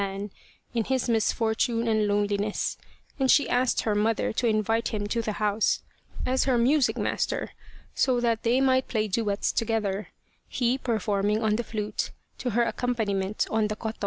101 The Reincarnation of Tama man in his misfortune and loneliness, and she asked her mother to invite him to the house as her music master, so that they might play duets together he performing on the flute to her accompaniment on the koto.